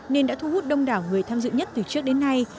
nên đã thu hút đông đảo người tham dự nhất từ trước đến nay